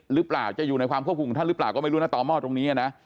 หรือเปล่าจะอยู่ในความควบคุมของท่านหรือเปล่าก็ไม่รู้นะต่อหม้อตรงนี้นะ